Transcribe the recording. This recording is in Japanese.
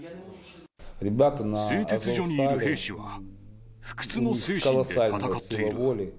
製鉄所にいる兵士は、不屈の精神で戦っている。